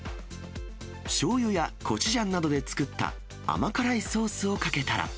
しょうゆやコチュジャンなどで作った甘辛いソースをかけたら。